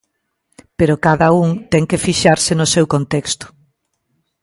Pero cada un ten que fixarse no seu contexto.